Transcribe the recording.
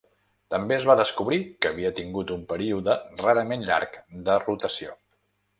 També es va descobrir que havia tingut un període rarament llarg de rotació.